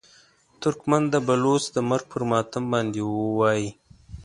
ترکمن د بلوڅ د مرګ پر ماتم باندې وایي.